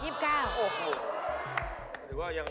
๒๙บาท